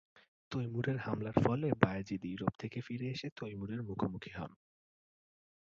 তৈমুরের হামলার ফলে বায়েজিদ ইউরোপ থেকে ফিরে এসে তৈমুরের মুখোমুখি হন।